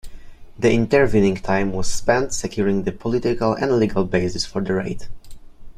The intervening time was spent securing the political and legal basis for the raid.